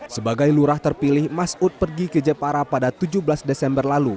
sebagai lurah terpilih mas ud pergi ke jepara pada tujuh belas desember lalu